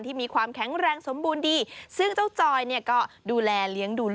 ที่มีความแข็งแรงสมบูรณ์ดี